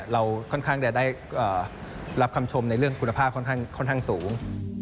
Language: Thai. เราค่อนข้างจะได้รับคำชมในเรื่องคุณภาพค่อนข้างสูง